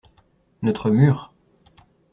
Notre mur.